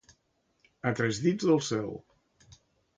A tres dits del cel.